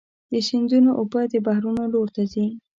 د سیندونو اوبه د بحرونو لور ته ځي.